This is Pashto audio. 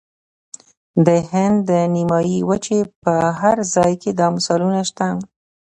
د هند د نیمې وچې په هر ځای کې دا مثالونه شته.